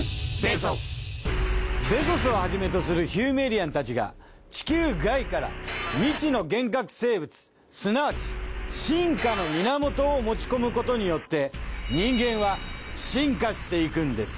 ベゾスをはじめとするヒューメイリアンたちが地球外から未知の原核生物すなわち進化の源を持ち込むことによって人間は進化していくんです。